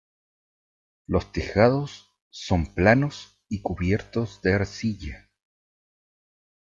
Los tejados son planos y cubiertos de arcilla.